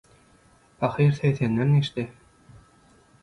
Pahyr segsenden geçdi.